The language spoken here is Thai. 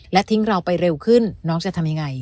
และทิ้งเราไปเร็วขึ้นน้องจะทำยังไง